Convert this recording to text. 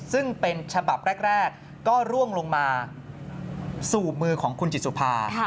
ซึ่งเป็นฉบับแรกก็ร่วงลงมาสู่มือของคุณจิตสุภา